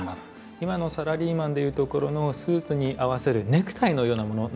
今のサラリーマンで言うところのスーツに合わせるネクタイのようなものなのかもしれませんね。